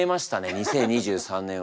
２０２３年は。